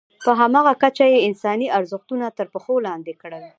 په همغه کچه یې انساني ارزښتونه تر پښو لاندې کړل.